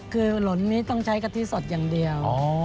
คือหล่นนี้ต้องใช้กะทิสดอย่างเดียว